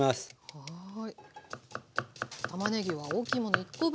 はい。